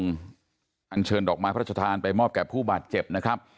อันเชิญดอกไม้พระชธานไปมอบแก่ผู้บาดเจ็บนะครับ